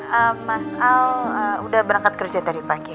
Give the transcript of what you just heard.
hmm mas al udah berangkat kerja tadi pagi